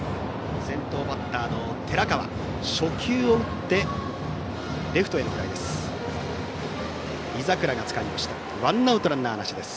先頭バッターの寺川が初球を打ちレフトへのフライです。